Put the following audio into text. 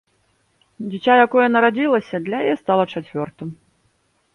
Дзіця, якое нарадзілася, для яе стала чацвёртым.